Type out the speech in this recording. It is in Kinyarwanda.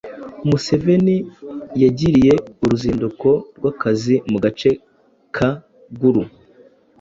Museveni yagiriye uruzinduko rw’akazi mu gace ka Gulu